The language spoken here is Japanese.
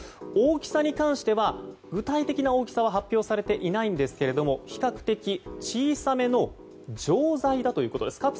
大きさに関して具体的な大きさは発表されていないんですけど比較的小さめの錠剤だということです。